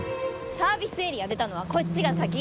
サービスエリア出たのはこっちが先。